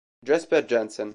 Jesper Jensen